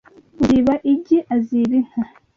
Uziba igi aziba inka.